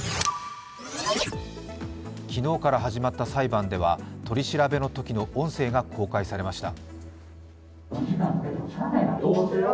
昨日から始まった裁判では取り調べのときの音声が公開されました。